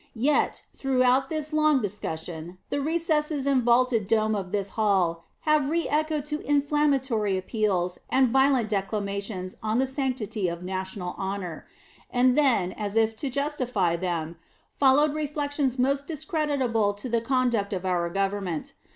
Yet, throughout this long discussion, the recesses and vaulted dome of this hall have reëchoed to inflammatory appeals and violent declamations on the sanctity of national honor; and then, as if to justify them, followed reflections most discreditable to the conduct of our Government.